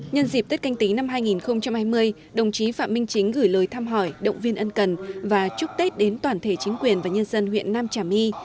nhân dịp tết canh tí năm hai nghìn hai mươi đồng chí phạm minh chính gửi lời thăm hỏi động viên ân cần và chúc tết đến toàn thể chính quyền và nhân dân huyện nam trà my